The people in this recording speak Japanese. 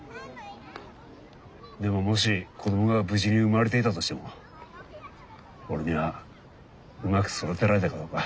でももし子供が無事に産まれていたとしても俺にはうまく育てられたかどうか。